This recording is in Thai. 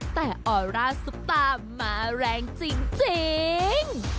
แต่ออร่าซุปตามาแรงจริง